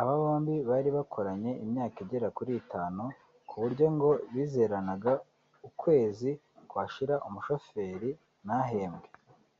Aba bombi bari bakoranye imyaka igera kuri itanu ku buryo ngo bizeranaga ukwezi kwashira umushoferi ntahembwe